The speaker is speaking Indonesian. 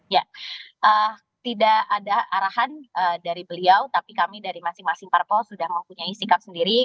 ya tidak ada arahan dari beliau tapi kami dari masing masing parpol sudah mempunyai sikap sendiri